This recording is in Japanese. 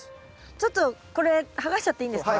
ちょっとこれ剥がしちゃっていいんですか？